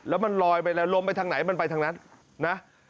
แล้วมันลอยไปแล้วลมไปทางไหนมันไปทางนั้นนะ